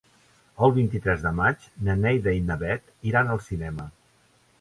El vint-i-tres de maig na Neida i na Bet iran al cinema.